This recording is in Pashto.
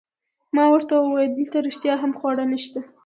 ما ورته وویل: دلته رښتیا هم خواړه نشته؟